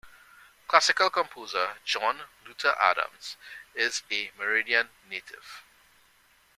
Classical composer John Luther Adams is a Meridian native.